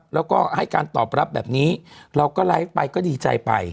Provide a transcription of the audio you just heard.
แล้วก็ให้การตอบรับแบบนี้เราก็ไลฟ์ไปก็ดีใจไป